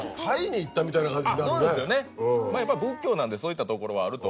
そうですよねやっぱ仏教なんでそういったところはあると。